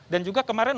dan juga kemarin